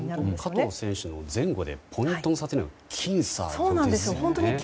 加藤選手の前後でポイントの差が僅差なんですね。